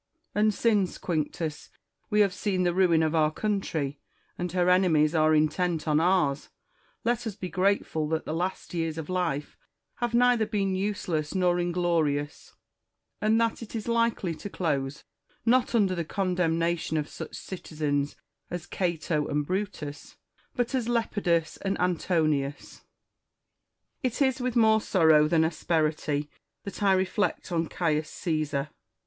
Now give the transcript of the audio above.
And since, Quinctus, we have seen the ruin of our country, and her enemies are intent on ours, let us be grateful that the last years of life have neither been useless nor inglorious, and that it is likely to close, not under the condemnation of such citizens as Cato and Brutus, but as Lepidus and Antonius. It is with more sorrow than asperity that I reflect on Caius Caesar.